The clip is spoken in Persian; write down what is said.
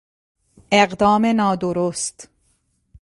اقدام نادرست